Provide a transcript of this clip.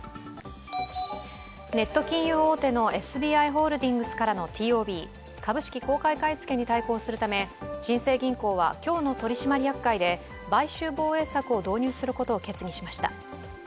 ネット金融大手のＳＢＩホールディングスからのＴＯＢ＝株式公開買い付けに対抗するため新生銀行は今日の取締役会で買収防衛策を導入することを決議しました。